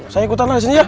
saya ikutan lah di sini ya